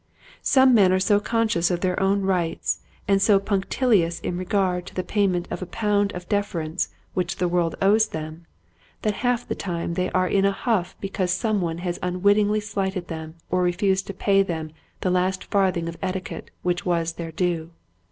Some men are so conscious of their own rights, and so punctilious in regard to the pay Pettiness. 147 ment of the pound of deference which the world owes them, that half the time they are in a huff because some one has un wittingly slighted them or refused to pay them the last farthing of etiquette which was their due.